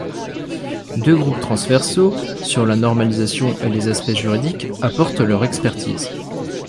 Deux groupes transversaux, sur la normalisation et les aspects juridiques, apportent leur expertise.